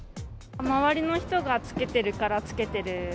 周りの人が着けてるから着けてる。